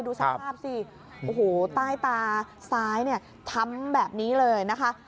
ดูสภาพสิโอ้โหใต้ตาซ้ายเนี่ยช้ำแบบนี้เลยนะคะ